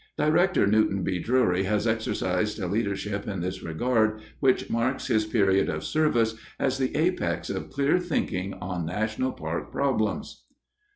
Director Newton B. Drury has exercised a leadership in this regard which marks his period of service as the apex of clear thinking on national park problems.